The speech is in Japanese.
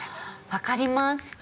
◆分かります。